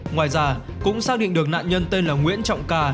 ngoài ra cũng xác định được nạn nhân tên là nguyễn trọng ca